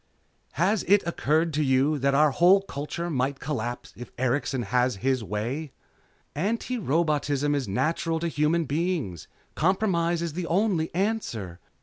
"Has it occurred to you that our whole culture might collapse if Erikson has his way?" "Antirobotism is natural to human beings. Compromise is the only answer.